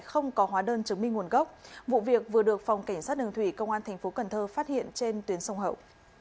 không có hóa đơn chứng minh nguồn gốc vụ việc vừa được phòng cảnh sát đường thủy công an tp cần thơ phát hiện trên tuyến sông hậu